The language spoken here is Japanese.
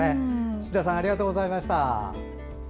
志田さんありがとうございました。